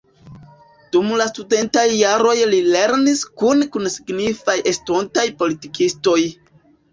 Dum la studentaj jaroj li lernis kune kun signifaj estontaj politikistoj.